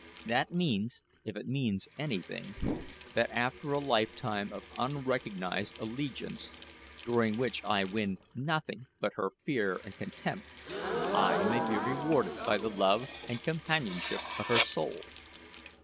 That means, if it means anything, that after a lifetime of unrecognized allegiance, during which I win nothing but her fear and contempt, I may be rewarded by the love and companionship of her soul.